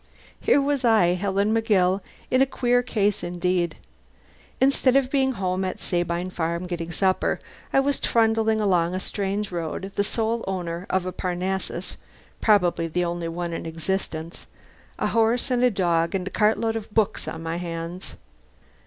Here was I, Helen McGill, in a queer case indeed. Instead of being home at Sabine Farm getting supper, I was trundling along a strange road, the sole owner of a Parnassus (probably the only one in existence), a horse, and a dog, and a cartload of books on my hands.